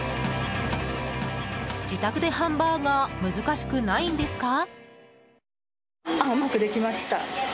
自宅でハンバーガー難しくないんですか？